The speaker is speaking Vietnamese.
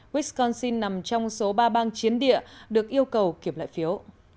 wisconsin nằm trong số ba bang chiến địa được yêu cầu kiểm lại phiếu